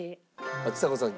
ちさ子さん